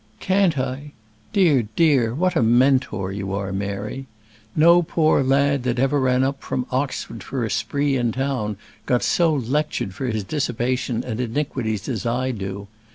"Can't I? Dear, dear, what a Mentor you are, Mary! No poor lad that ever ran up from Oxford for a spree in town got so lectured for his dissipation and iniquities as I do.